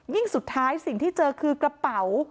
สุดท้ายสิ่งที่เจอคือกระเป๋า